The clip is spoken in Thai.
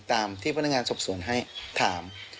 ตามที่พนักงานสอบสวนให้ถาม